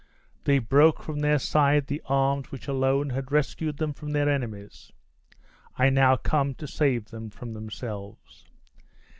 They broke from their side the arms which alone had rescued them from their enemies! I now come to save them from themselves.